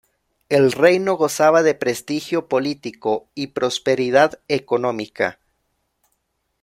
El reino gozaba de prestigio político y prosperidad económica.